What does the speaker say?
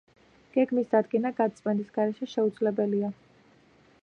გეგმის დადგენა გაწმენდის გარეშე შეუძლებელია.